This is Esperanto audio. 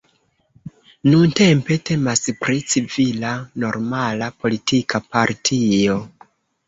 Nuntempe temas pri civila normala politika partio.